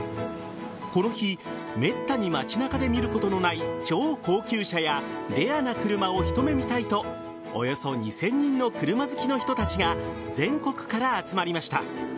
この日めったに街中で見ることのない超高級車やレアな車を一目見たいとおよそ２０００人の車好きの人たちが全国から集まりました。